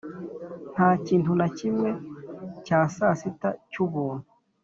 nta kintu na kimwe cya sasita cy'ubuntu